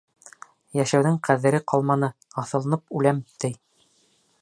Йәшәүҙең ҡәҙере ҡалманы, аҫылынып үләм, ти.